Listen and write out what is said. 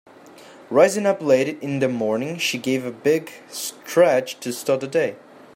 Rising up late in the morning she gave a big stretch to start the day.